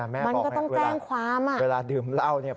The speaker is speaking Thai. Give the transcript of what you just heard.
มันก็ต้องแกล้งความอ่ะนี่แม่บอกให้เวลาเวลาดื่มเหล้า